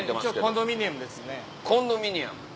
コンドミニアムです。